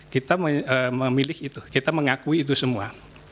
kita memilih itu kita mengakui itu semua